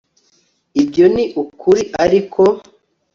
ibyo ni ukuri ariko